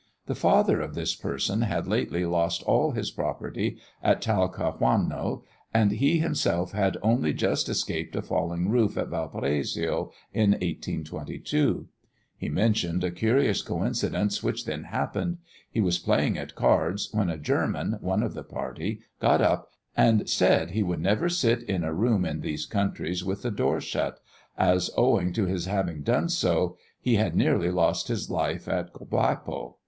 The father of this person had lately lost all his property at Talcahuano, and he himself had only just escaped a falling roof at Valparaiso, in 1822. He mentioned a curious coincidence which then happened: he was playing at cards, when a German, one of the party, got up, and said he would never sit in a room in these countries with the door shut, as, owing to his having done so, he had nearly lost his life at Copiapo.